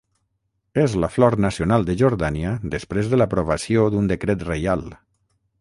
És la flor nacional de Jordània després de l'aprovació d'un decret reial.